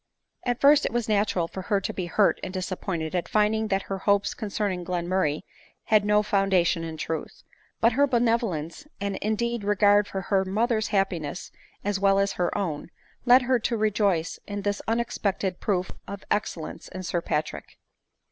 At first it was natural for her to be hurt and disap pointed at finding that her hopes concerning Glenmurray had no foundation in truth ; but her benevolence, and in deed regard for her mother's happiness as well as her own, led her to rejoice in this unexpected proof of excellence in Sir Patrick.